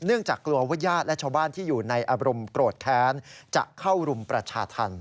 จากกลัวว่าญาติและชาวบ้านที่อยู่ในอารมณ์โกรธแค้นจะเข้ารุมประชาธรรม